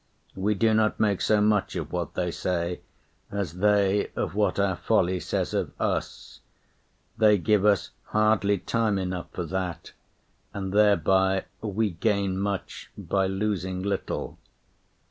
We do not make so much of what they say As they of what our folly says of us; They give us hardly time enough for that, And thereby we gain much by losing little.